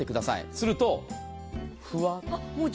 すると、ふわっ。